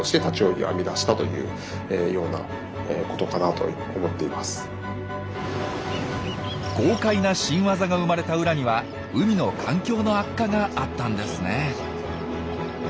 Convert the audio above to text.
それを狙って豪快な新ワザが生まれたウラには海の環境の悪化があったんですね。